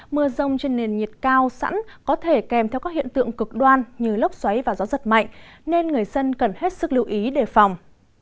mưa rông trên nền nhiệt cao sẵn có thể kèm theo các hiện tượng cực đoan như lốc xoáy và gió giật mạnh nên người dân cần hết sức lưu ý đề phòng